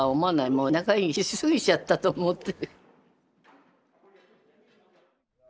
もう長生きしすぎちゃったと思って。